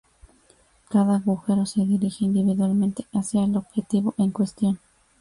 Cada agujero se dirige individualmente hacia el objetivo en cuestión.